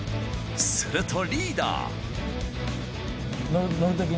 するとリーダー。